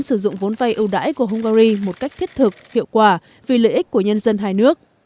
sử dụng vốn vay ưu đãi của hungary một cách thiết thực hiệu quả vì lợi ích của nhân dân hai nước